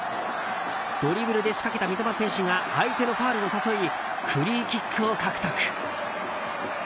ドリブルで仕掛けた三笘選手が相手のファウルを誘いフリーキックを獲得。